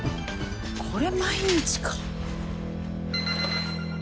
これ毎日か。